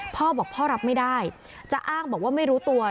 พ่อบอกพ่อรับไม่ได้จะอ้างบอกว่าไม่รู้ตัว